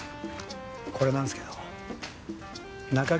これなんですけど仲